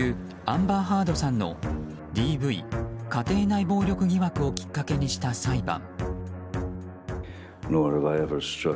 アンバー・ハードさんのＤＶ・家庭内暴力疑惑をきっかけにした裁判。